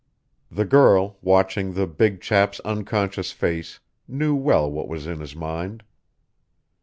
The girl, watching the big chap's unconscious face, knew well what was in his mind.